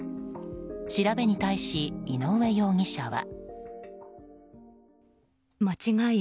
調べに対し井上容疑者は。